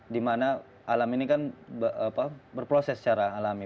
dimana alam ini kan berproses secara alami